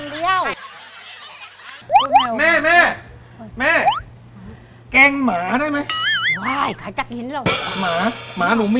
ต้มขนุนแล้วจะเอามะเขือ